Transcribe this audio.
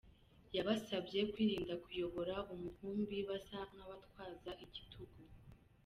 Yabasabye kwirinda kuyobora umukumbi basa nk'abatwaza igitugu.